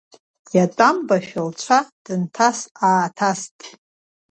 Иатәамбашәа лцәа дынҭас-ааҭаст.